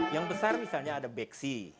yang besar misalnya ada beksi